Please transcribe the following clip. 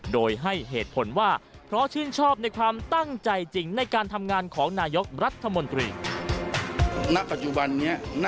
โดยให้เหตุผลว่าเพราะชื่นชอบในความตั้งใจจริงในการทำงานของนายกรัฐมนตรี